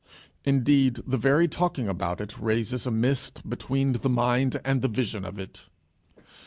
Indeed, the very talking about it raises a mist between the mind and the vision of it.